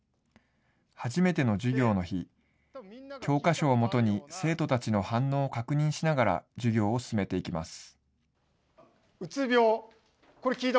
初めての授業の日、教科書をもとに生徒たちの反応を確認しながら授業を進めていきます。